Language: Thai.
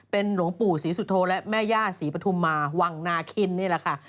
เป็นหลวงปู่ศรีสุโธและแม่ย่าศรีปฐุมมาวังนาคินนี่แหละค่ะ